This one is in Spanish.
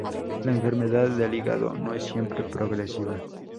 La enfermedad del hígado no es siempre progresiva.